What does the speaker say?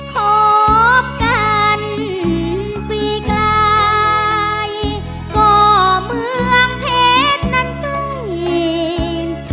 คบกันปีไกลก็เมืองเทศนั้นตื่น